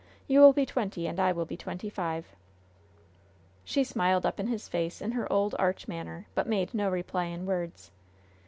You will be twenty, and I will be twenty five." She smiled up in his face in her old arch manner, but made no reply in words.